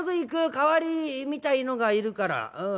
代わりみたいのがいるからうん。